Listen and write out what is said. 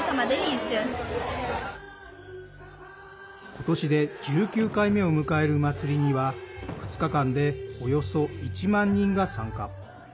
今年で１９回目を迎える祭りには２日間で、およそ１万人が参加。